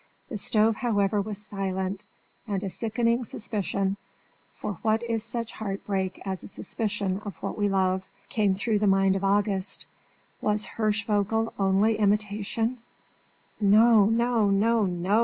The stove, however, was silent, and a sickening suspicion (for what is such heart break as a suspicion of what we love?) came through the mind of August: Was Hirschvogel only imitation? "No, no, no, no!"